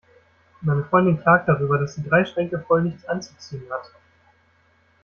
Meine Freundin klagt darüber, dass sie drei Schränke voll nichts anzuziehen hat.